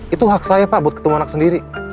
itu hak saya pak buat ketemu anak sendiri